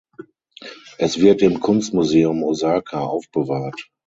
Es wird im Kunstmuseum Osaka aufbewahrt.